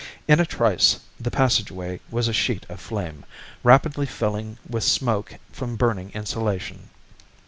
In a trice the passageway was a sheet of flame, rapidly filling with smoke from burning insulation.